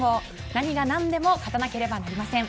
何が何でも勝たなければいけません。